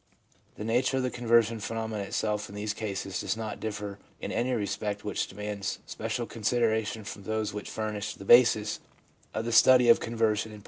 The nature of the conversion phenomena themselves in these cases does not differ inany respect which demands special consideration from those which furnished the basis of the study of conversion in Part I.